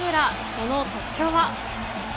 その特徴は。